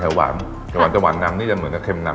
หวานหวานจะหวานน้ำนี่จะเหมือนจะเค็มน้ำ